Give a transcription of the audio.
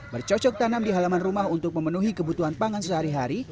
bercocok tanam di halaman rumah untuk memenuhi kebutuhan pangan sehari hari